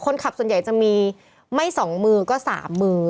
คนขับส่วนใหญ่จะมีไม่สองมือก็สามมือ